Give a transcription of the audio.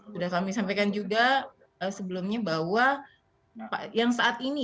sudah kami sampaikan juga sebelumnya bahwa yang saat ini